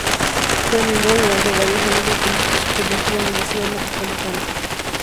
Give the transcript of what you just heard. Fue miembro durante varios años del Consejo Superior de la Universidad Metropolitana.